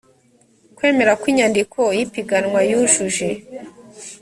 kwemera ko inyandiko y ipiganwa yujuje